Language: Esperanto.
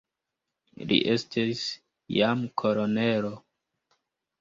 Li estis jam kolonelo.